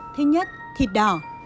một thịt đỏ